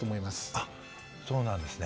あっそうなんですね。